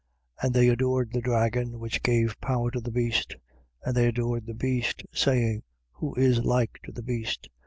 And they adored the dragon which gave power to the beast. And they adored the beast, saying: Who is like to the beast?